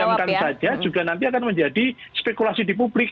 karena kalau di diamkan saja juga nanti akan menjadi spekulasi di publik